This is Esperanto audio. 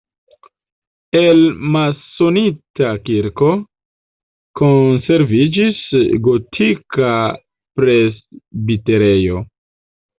El masonita kirko konserviĝis gotika presbiterejo.